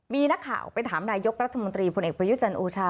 มีนักข่าวไปถามนายกรัฐมนตรีพลเอกประยุจันทร์โอชา